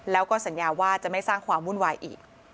แล้วก็สัญญาว่าจะไม่สร้างความวุ่นวายอีก